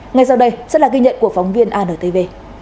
ngay sau đây sẽ là ghi nhận của phóng viên antv